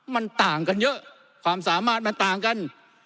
มันต่างกันเยอะความสามารถมันต่างกัน